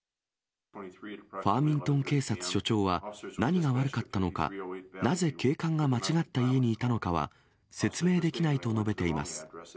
ファーミントン警察署長は、何が悪かったのか、なぜ警官が間違った家にいたのかは説明できないと述べています。